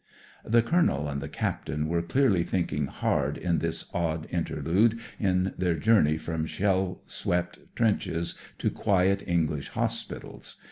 (The Colonel and the Captain were clearly thinking hard, in this odd inter lude in their journey from shell swept trenches to quiet English hospitals.